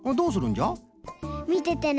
みててね。